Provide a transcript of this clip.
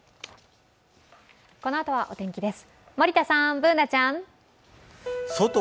このあとはお天気です。